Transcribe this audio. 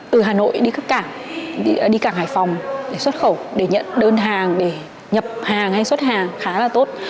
từ hà nội đi các cảng đi cảng hải phòng để xuất khẩu để nhận đơn hàng để nhập hàng hay xuất hàng khá là tốt